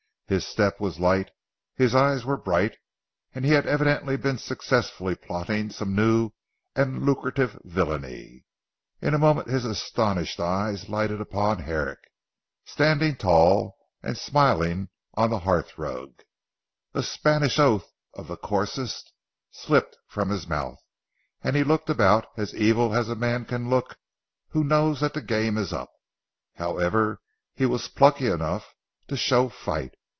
His step was light, his eyes were bright, and he had evidently been successfully plotting some new and lucrative villainy. In a moment his astonished eyes lighted upon Herrick, standing tall and smiling on the hearth rug. A Spanish oath of the coarsest slipped from his mouth, and he looked about as evil as a man can look who knows that the game is up. However he was plucky enough to show fight.